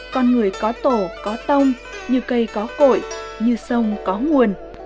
con người có tổ có tông như cây có cội như sông có nguồn